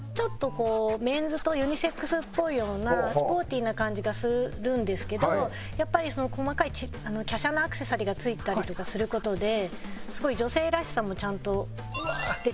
ちょっとこうメンズとユニセックスっぽいようなスポーティーな感じがするんですけどやっぱり細かい華奢なアクセサリーが着いたりとかする事ですごい女性らしさもちゃんと出ているな。